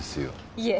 いえ